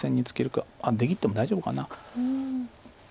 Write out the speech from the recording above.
あっ出切っても大丈夫かな。